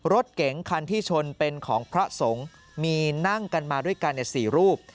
รถเก๋งคันที่ชนเป็นของพระสงฆ์มีนั่งกันมาด้วยกัน๔รูป